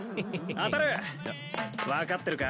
あたる分かってるか？